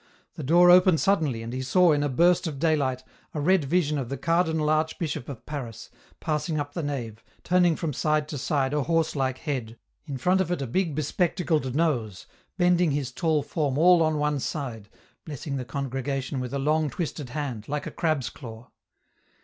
The door opened suddemy, and he saw, in a burst of daylight, a red vision of the Cardinal Archbishop of Paris, passing up the 54 EN ROUTE. nave, turning from side to side a horse like head, in front of it a big spectacled nose, bending his tall form all on one side, blessing the congregation with a long twisted hand, like a crab's claw.